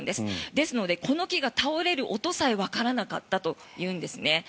ですのでこの木が倒れる音さえわからなかったというんですね。